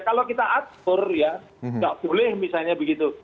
kalau kita atur ya nggak boleh misalnya begitu